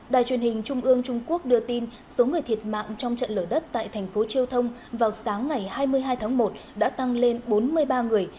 đài truyền hình trung ương trung quốc đưa tin số người thiệt mạng trong trận lở đất tại thành phố triều thông vào sáng ngày hai mươi hai tháng một đã tăng lên bốn mươi ba người